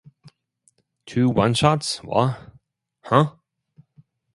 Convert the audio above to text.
Two one-shots, Wha...Huh?